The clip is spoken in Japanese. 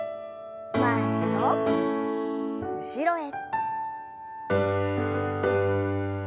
前と後ろへ。